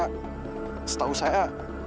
karena setahu saya